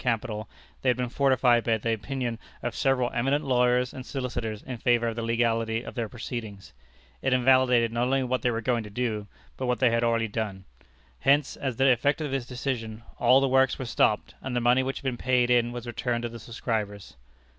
capital, they had been fortified by the opinions of several eminent lawyers and solicitors in favor of the legality of their proceedings. It invalidated not only what they were going to do, but what they had done already. Hence, as the effect of this decision, all the works were stopped, and the money which had been paid in was returned to the subscribers.